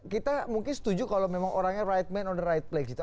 kita mungkin setuju kalau memang orangnya right man on the right play gitu